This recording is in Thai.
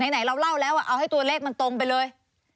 ไหนเราเล่าแล้วเอาให้ตัวเลขมันตรงไปเลย